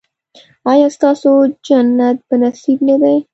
ایا ستاسو جنت په نصیب نه دی؟